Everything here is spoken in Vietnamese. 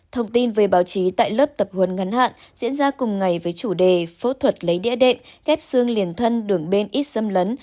thông tin về báo chí tại lớp tập huấn ngắn hạn diễn ra cùng ngày với chủ đề phẫu thuật lấy địa đệm ghép xương liền thân đường bên ít xâm lấn